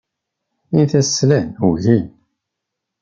Init-as slan, ugin.